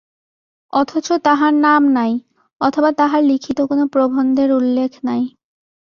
অথচ তাহার নাম নাই, অথবা তাহার লিখিত কোনো প্রবন্ধের উল্লেখ নাই।